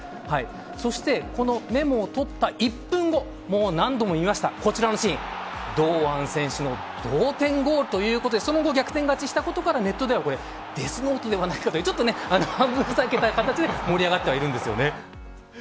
そしてこのメモを取った１分後何度も見ました、こちらのシーン堂安選手の同点ゴールということでその後、逆転勝ちしたことからネットではデスノートじゃないかと半分ふざけて盛り上がっているんですよね。